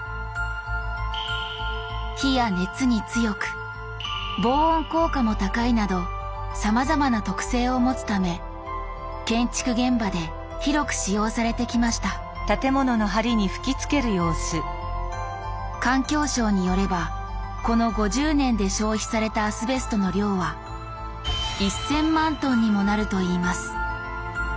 火や熱に強く防音効果も高いなどさまざまな特性を持つため建築現場で広く使用されてきました環境省によればこの５０年で消費されたアスベストの量は１０００万ｔにもなるといいます。